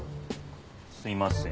すいません。